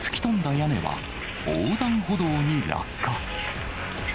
屋根は横断歩道に落下。